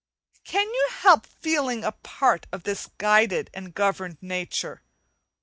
Can you help feeling a part of this guided and governed nature?